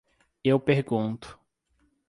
Eu pergunto.